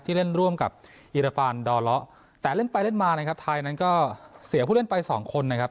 เล่นร่วมกับอิราฟานดอเลาะแต่เล่นไปเล่นมานะครับไทยนั้นก็เสียผู้เล่นไปสองคนนะครับ